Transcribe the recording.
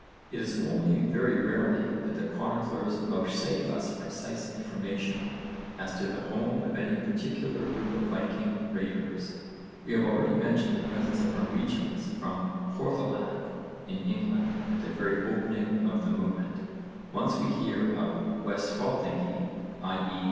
It is only very rarely that the chroniclers vouchsafe us precise information as to the home of any particular group of Viking raiders. We have already mentioned the presence of Norwegians from Hörðaland in England at the very opening of the movement: once we hear of 'Westfaldingi,' i.e.